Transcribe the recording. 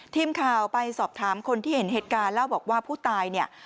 ทีมข่าวไปสอบถามคนที่เห็นเหตุการณ์เล่าบอกว่าผู้ตายเนี่ย